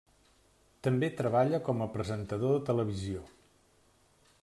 També treballa com a presentador de televisió.